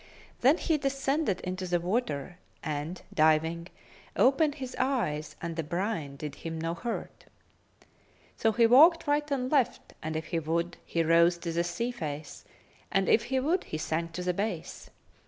Then he descended into the water and diving, opened his eyes and the brine did him no hurt. So he walked right and left, and if he would, he rose to the sea face, and if he would, he sank to the base.